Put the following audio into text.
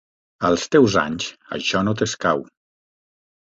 Als teus anys, això no t'escau.